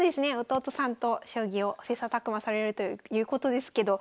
弟さんと将棋を切さたく磨されるということですけど。